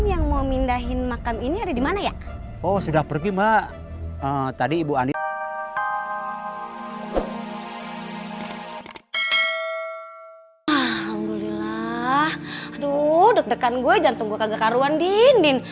alhamdulillah aduh deg degan gue jantung gue kagak karuan dinding